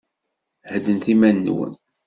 Heddnet iman-nwen.